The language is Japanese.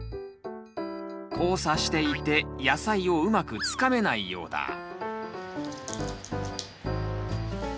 交差していて野菜をうまくつかめないようだ。